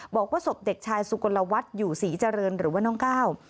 บอกว่าศพเด็กชายสุกลวัฒน์อยู่ศรีเจริญหรือว่าน้องก้าว